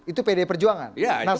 itu pdi perjuangan